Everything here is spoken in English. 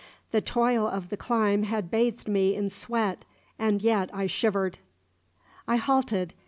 The toil of the climb had bathed me in sweat, and yet I shivered. I halted.